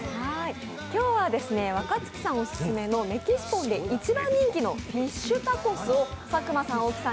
今日は若槻さんオススメのＭＥＸＩＰＯＮで一番人気のフィッシュタコスを佐久間さん、大木さん